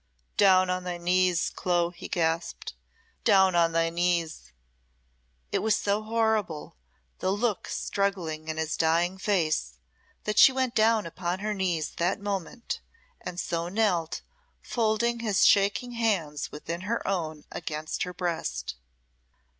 "Down on thy knees, Clo!" he gasped "down on thy knees!" It was so horrible, the look struggling in his dying face, that she went down upon her knees that moment, and so knelt, folding his shaking hands within her own against her breast.